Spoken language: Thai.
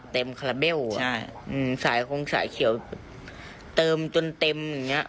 คาราเบลอ่ะใช่อืมสายคงสายเขียวเติมจนเต็มอย่างเงี้